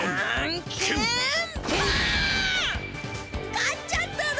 勝っちゃっただ。